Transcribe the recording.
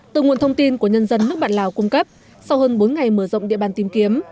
từ nguồn thông tin của nhân dân nước bạn lào cung cấp sau hơn bốn ngày mở rộng địa bàn tìm kiếm